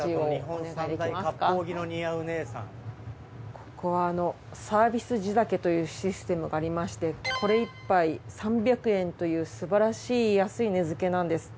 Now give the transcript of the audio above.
ここはサービス地酒というシステムがありましてこれ１杯３００円というすばらしい安い値付けなんです。